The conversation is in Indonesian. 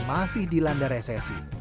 masih dilanda resesi